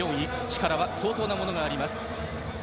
力は相当なものがあります。